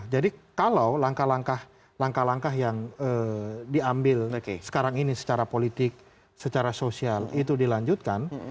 jadi kalau langkah langkah yang diambil sekarang ini secara politik secara sosial itu dilanjutkan